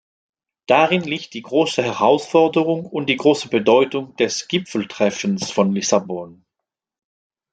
Darin liegt die große Herausforderung und die große Bedeutung des Gipfeltreffens von Lissabon.